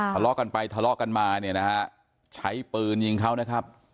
ทะเลาะกันไปทะเลาะกันมาเนี่ยนะฮะใช้ปืนยิงเขานะครับ